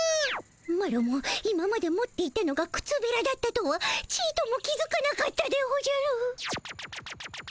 マロも今まで持っていたのがくつべらだったとはちとも気づかなかったでおじゃる。